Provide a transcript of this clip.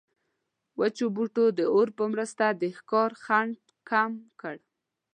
وچو بوټو د اور په مرسته د ښکار خنډ کم کړ.